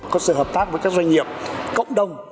có sự hợp tác với các doanh nghiệp cộng đồng